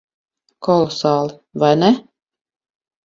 Kolosāli. Vai ne?